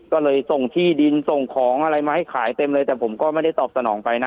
ก็เลยส่งที่ดินส่งของอะไรมาให้ขายเต็มเลยแต่ผมก็ไม่ได้ตอบสนองไปนะ